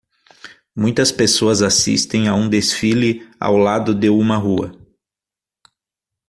Muitas pessoas assistem a um desfile ao lado de uma rua.